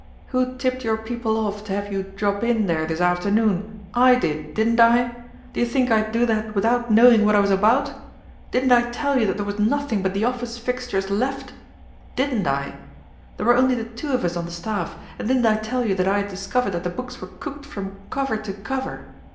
_ Who tipped your people off to have you drop in there this afternoon? I did, didn't I? Do you think I'd do that without knowing what I was about! Didn't I tell you that there was nothing but the office fixtures left! Didn't I? There were only the two of us on the staff, and didn't I tell you that I had discovered that the books were cooked from cover to cover?